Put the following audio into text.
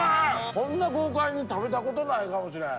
こんな豪快に食べたことないかもしれん。